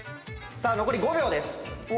さあ残り５秒です。